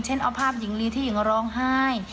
เอาภาพหญิงลีที่หญิงร้องไห้